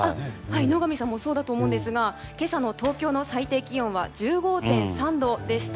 野上さんもそうだと思うんですが今朝の東京の最低気温は１５．３度でした。